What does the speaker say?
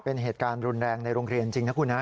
เป็นเหตุการณ์รุนแรงในโรงเรียนจริงนะคุณฮะ